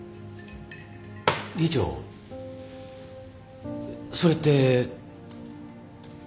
理事長それって